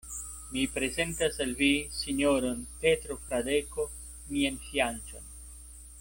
Mi prezentas al vi sinjoron Petro Fradeko, mian fianĉon.